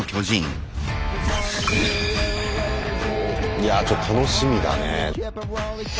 いやちょっと楽しみだね。